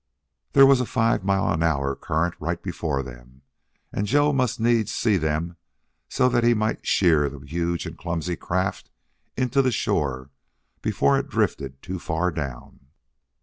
There was a five mile an hour current right before them, and Joe must needs see them so that he might sheer the huge and clumsy craft into the shore before it drifted too far down.